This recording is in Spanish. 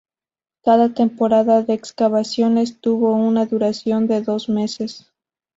Cada temporada de excavaciones tuvo una duración de dos meses.